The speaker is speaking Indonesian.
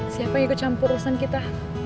siapa yang ikut campur urusan kita